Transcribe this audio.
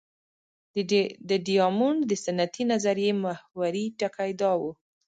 د ډیامونډ د سنتي نظریې محوري ټکی دا دی.